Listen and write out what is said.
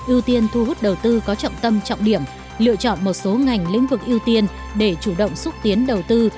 ưu tiên thu hút đầu tư có trọng tâm trọng điểm lựa chọn một số ngành lĩnh vực ưu tiên để chủ động xúc tiến đầu tư